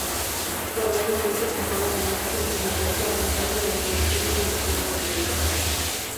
Paralelamente compone la música incidental para montajes de reconocidos directores del medio.